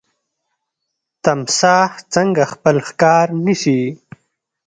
تمساح څنګه خپل ښکار نیسي؟